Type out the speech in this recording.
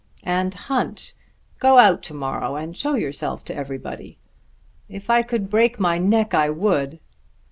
"And hunt. Go out to morrow and show yourself to everybody." "If I could break my neck I would."